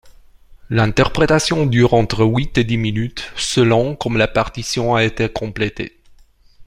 L'interprétation dure entre huit et dix minutes, selon comme la partition a été complétée.